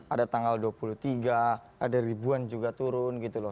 ada tanggal dua puluh tiga ada ribuan juga turun gitu loh